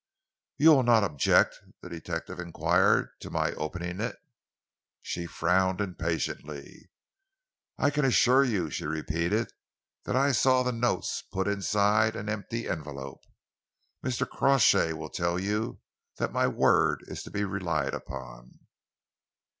"You will not object," the detective enquired, "to my opening it?" She frowned impatiently. "I can assure you," she repeated, "that I saw the notes put inside an empty envelope. Mr. Crawshay will tell you that my word is to be relied upon."